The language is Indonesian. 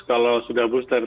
kalau sudah booster